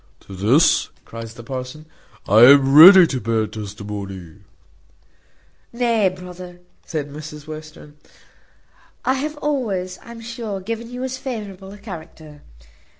"To this," cries the parson, "I am ready to bear testimony." "Nay, brother," says Mrs Western, "I have always, I'm sure, given you as favourable a character.